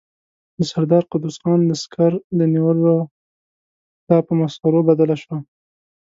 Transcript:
د سردار قدوس خان د سکر د نيولو لاپه په مسخرو بدله شوه.